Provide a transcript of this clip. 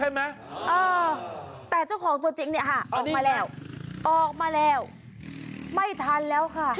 ใช่ไหมแต่เจ้าของตัวจริงออกมาแล้วออกมาแล้วไม่ทันแล้วค่ะ